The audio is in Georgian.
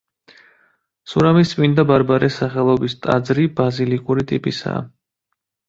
სურამის წმინდა ბარბარეს სახელობის ტაძრი ბაზილიკური ტიპისაა.